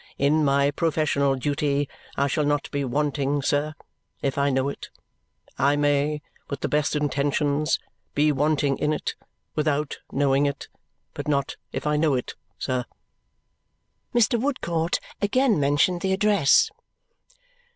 In my professional duty I shall not be wanting, sir, if I know it. I may, with the best intentions, be wanting in it without knowing it; but not if I know it, sir." Mr. Woodcourt again mentioned the address.